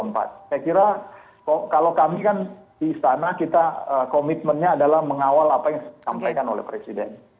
saya kira kalau kami kan di istana kita komitmennya adalah mengawal apa yang disampaikan oleh presiden